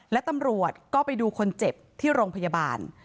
และตำรวจก็ไปดูคนเจ็บที่โรงพยาบาล